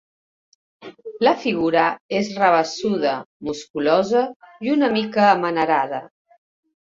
La figura és rabassuda, musculosa i una mica amanerada.